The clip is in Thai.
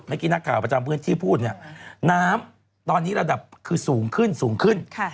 เมื่อกี้นักข่าวประจำพื้นที่พูดเนี่ยน้ำตอนนี้ระดับคือสูงขึ้นสูงขึ้น